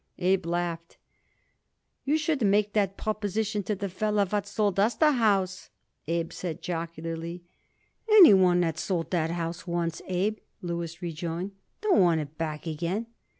Abe laughed. "You should make that proposition to the feller what sold us the house," Abe said jocularly. "Any one what sold that house once, Abe," Louis rejoined, "don't want it back again."